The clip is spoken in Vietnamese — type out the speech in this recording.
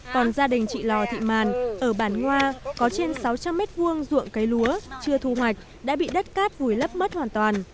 còn gia đình chị lò thị màn ở bản ngoa có trên sáu trăm linh m hai ruộng cây lúa chưa thu hoạch đã bị đất cát vùi lấp mất hoàn toàn